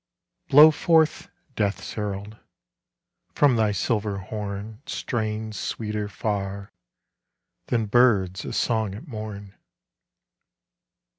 Blow forth, Death's herald, from thy silver horn Strains sweeter far than birds a song at morn.